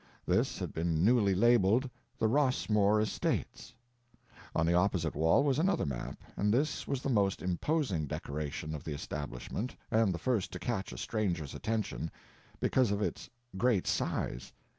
This had been newly labeled "The Rossmore Estates." On the opposite wall was another map, and this was the most imposing decoration of the establishment and the first to catch a stranger's attention, because of its great size.